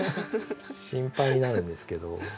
心配になるんですけど。